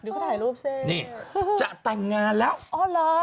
เดี๋ยวก็ถ่ายรูปสินี่จะแต่งงานแล้วอ๋อเหรอ